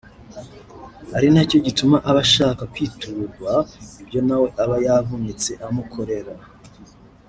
ari nacyo gituma aba ashaka kwiturwa ibyo nawe aba yavunitse amukorera